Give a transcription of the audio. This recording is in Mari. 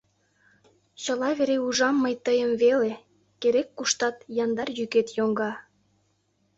Чыла вере ужам мый тыйым веле, Керек-куштат яндар йӱкет йоҥга.